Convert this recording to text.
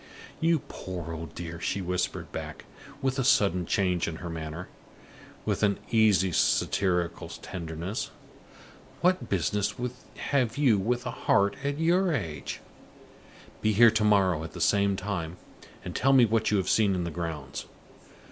"You poor old dear!" she whispered back, with a sudden change in her manner, with an easy satirical tenderness. "What business have you with a heart at your age? Be here to morrow at the same time, and tell me what you have seen in the grounds.